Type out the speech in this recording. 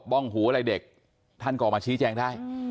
ตบป้องหูอะไรเด็กท่านกอมาชี้แจ้งได้